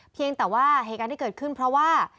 เพียงแต่ว่าเหตุการณ์ที่เกิดขึ้นเพราะว่า